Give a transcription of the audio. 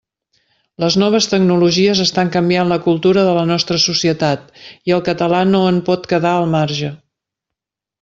Les noves tecnologies estan canviant la cultura de la nostra societat i el català no en pot quedar al marge.